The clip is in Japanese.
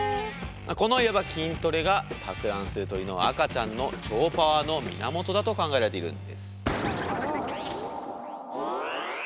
このいわば筋トレが托卵する鳥の赤ちゃんの超パワーの源だと考えられているんです。